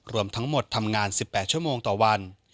รวมทั้งหมดทำงาน๑๘ชั่วโมงต่อวัน